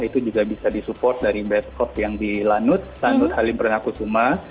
itu juga bisa disupport dari base op yang di lanut lanut halim pernak kusuma